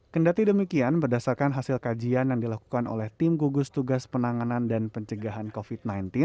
kendati demikian berdasarkan hasil kajian yang dilakukan oleh tim gugus tugas penanganan dan pencegahan covid sembilan belas